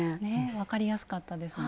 分かりやすかったですね。